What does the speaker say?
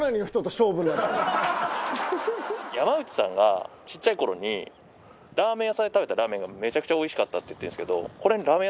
山内さんがちっちゃい頃にラーメン屋さんで食べたラーメンがめちゃくちゃおいしかったって言ってるんですけど。